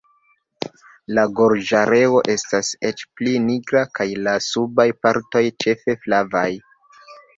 La gorĝareo estas eĉ pli nigra, kaj la subaj partoj ĉefe flavaj.